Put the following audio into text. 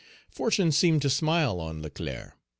Fortune seemed to smile on Leclerc.